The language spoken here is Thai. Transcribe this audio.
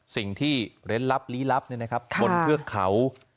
สิ่งที่เล่นลับลี้ลับเนี่ยนะครับบนเทือกเขา